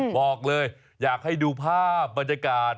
บอกเลยอยากให้ดูภาพบรรยากาศ